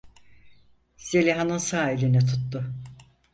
Zeliha'nın sağ elini tuttu.